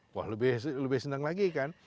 wah lebih senang lagi kan